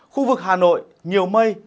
khu vực hà nội nhiều mây